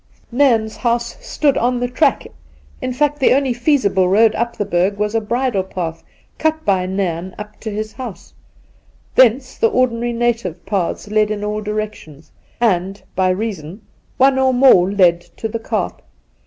Nairn's house stood on the track ; in fact, the only feasible road up the Berg was a bridle path cut by Nairn up to his house ; thence the ordinary native paths led in all directions, and — by reason — one or more led to the Kaap.